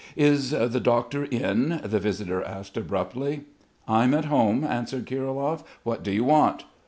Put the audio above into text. "Is the doctor in?" the visitor asked abruptly. "I'm at home," answered Kirilov. "What do you want?"